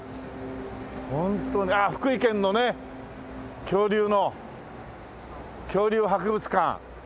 ホントにああ福井県のね恐竜の恐竜博物館。